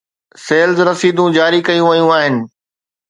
Sales رسيدون جاري ڪيون ويون آهن.